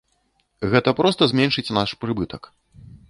Гэта проста зменшыць наш прыбытак.